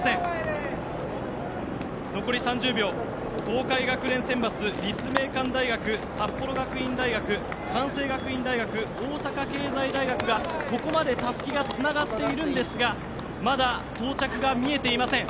東海学連選抜、立命館大学札幌学院大学、関西学院大学大阪経済大学がここまでたすきがつながっているんですがまだ到着が見えていません。